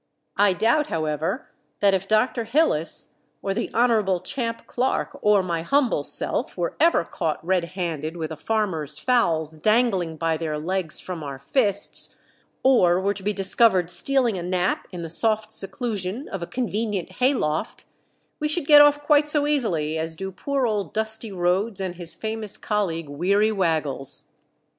I doubt, however, that if Dr. Hillis, or the Hon. Champ Clark, or my humble self, were ever caught red handed with a farmer's fowls dangling by their legs from our fists, or were to be discovered stealing a nap in the soft seclusion of a convenient hayloft, we should get off quite so easily as do poor old Dusty Rhodes and his famous colleague Weary Waggles.